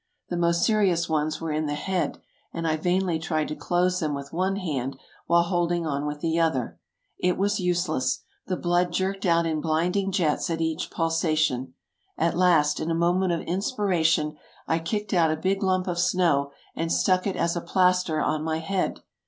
The most serious ones were in the head, and I vainly tried to close them with one hand while holding on with the other. It was useless : the blood jerked out in blinding jets at each pulsation. At last, in a moment of inspiration I kicked out a big lump of snow and stuck it as a plaster on my head.